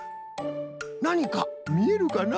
なにかみえるかな？